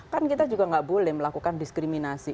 kan kita juga nggak boleh melakukan diskriminasi